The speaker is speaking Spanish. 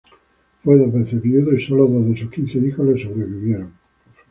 Fue dos veces viudo y solo dos de sus quince hijos le sobrevivieron.